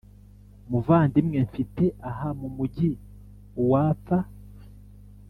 muvandimwe mfite aha mumujyi uwapfa